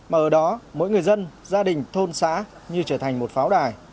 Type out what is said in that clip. mà ở đó mỗi người dân gia đình thôn xã như trở thành một pháo đài